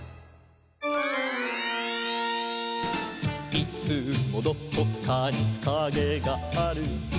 「いつもどこかにカゲがある」